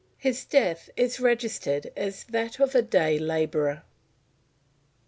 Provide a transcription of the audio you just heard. His death is registered as that of a "day labourer." CHAPTER 2.